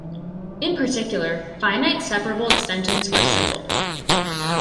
In particular, finite separable extensions are simple.